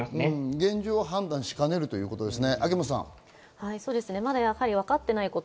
現状は判断しかねるということですね。